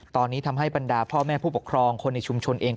ตอนนี้ทำให้บรรดาพ่อแม่ผู้ปกครองคนในชุมชนเอง